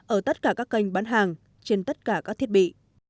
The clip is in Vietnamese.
ở tất cả các kênh bán hàng trên tất cả các thiết bị